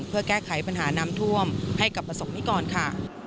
เพื่อแก้ไขปัญหาน้ำท่วมให้กับประสบนิกรค่ะ